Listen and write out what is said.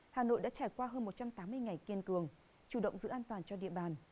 hà nội đã trải qua hơn một trăm tám mươi ngày kiên cường chủ động giữ an toàn cho địa bàn